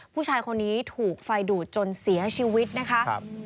ผู้ชายคนนี้ถูกไฟดูดจนเสียชีวิตนะคะ